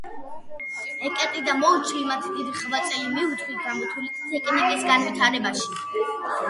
ეკერტი და მოუჩლი ,მათ დიდი ღვაწლი მიუძღვით გამოთვლითი ტექნიკის განვითარებაში